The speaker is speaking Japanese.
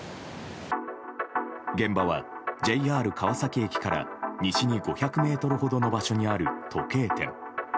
現場は、ＪＲ川崎駅から西に５００ｍほどの場所にある時計店。